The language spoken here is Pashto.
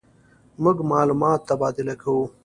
مونږ معلومات تبادله کوو.